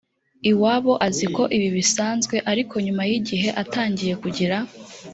iwabo aziko ibi bisanzwe ariko nyuma y igihe atangiye kugira